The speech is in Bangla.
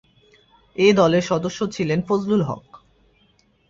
এ দলের সদস্য ছিলেন ফজলুল হক।